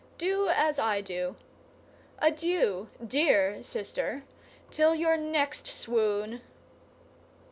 Do as I do. Adieu, dear sister, till your next swoon!"